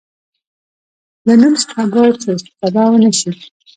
له نوم څخه باید سوء استفاده ونه شي.